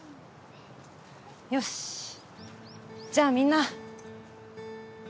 よしじゃあみんな。